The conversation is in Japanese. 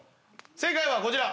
正解はこちら。